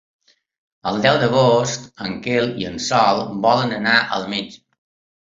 El deu d'agost en Quel i en Sol volen anar al metge.